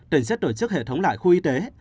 tỉnh sẽ tổ chức hệ thống lại khu y tế